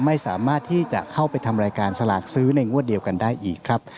ไม่สามารถที่จะเข้าไปทำรายการสลากซื้อในงวดเดียวกันได้อีกครับ